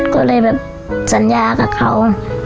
ก็เลยแบบสัญญากับเขา